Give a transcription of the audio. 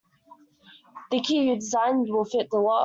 The key you designed will fit the lock.